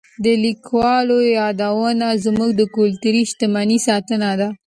د لیکوالو یادونه زموږ د کلتوري شتمنۍ ساتنه ده.